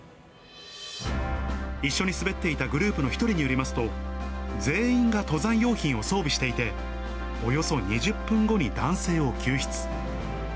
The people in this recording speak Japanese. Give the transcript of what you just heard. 一緒に滑っていたグループの１人によりますと、全員が登山用品を装備していて、およそ２０分後に男性を救出。